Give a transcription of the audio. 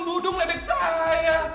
dudung lebek saya